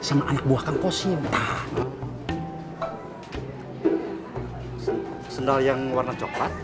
sendal yang warna coklat